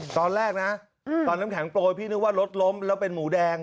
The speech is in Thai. ตอนแรกนะตอนน้ำแข็งโปรยพี่นึกว่ารถล้มแล้วเป็นหมูแดง